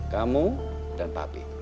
kamu dan papi